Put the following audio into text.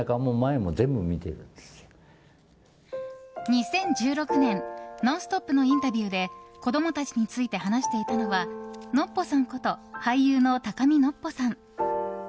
２０１６年「ノンストップ！」のインタビューで子供たちについて話していたのはノッポさんこと俳優の高見のっぽさん。